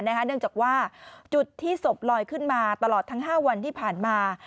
เนื่องจากว่าจุดที่ศพลอยขึ้นมาตลอดทั้ง๕วันที่ผ่านมา